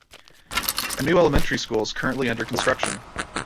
A new elementary school is currently under construction.